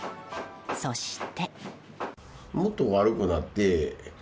そして。